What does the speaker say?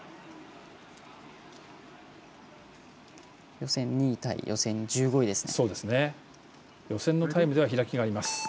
予選２位対予選１５位ですね。